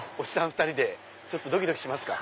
２人でドキドキしますか。